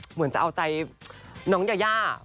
เหมือนจะเอาใจน้องยายา